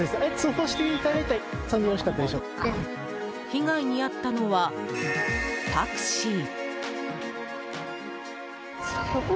被害に遭ったのはタクシー。